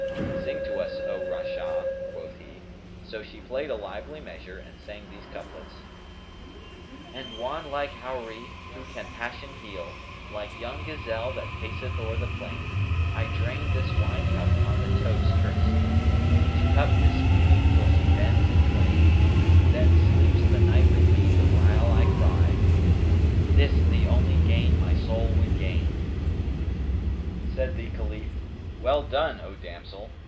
"Sing to us, O Rashaa," quoth he; so she played a lively measure and sang these couplets, "And wand like Houri, who can passion heal * Like young gazelle that paceth o'er the plain: I drain this wine cup on the toast, her cheek, * Each cup disputing till she bends in twain Then sleeps the night with me, the while I cry * 'This is the only gain my Soul would gain!' " Said the Caliph, "Well done, O damsel!